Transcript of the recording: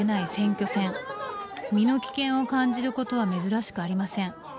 身の危険を感じることは珍しくありません。